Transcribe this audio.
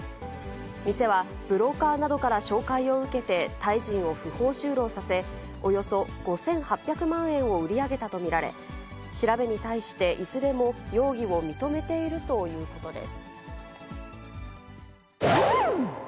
店は、ブローカーなどから紹介を受けてタイ人を不法就労させ、およそ５８００万円を売り上げたと見られ、調べに対して、いずれも容疑を認めているということです。